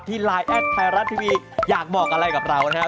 ไลน์แอดไทยรัฐทีวีอยากบอกอะไรกับเรานะครับ